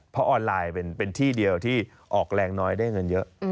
เพราะออนไลน์เป็นที่เดียวที่ออกแรงน้อยได้เงินเยอะ